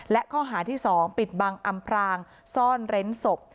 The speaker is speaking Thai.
และข้อหาที่๒ปิดบังอำพรางซ่อนเร้นศพ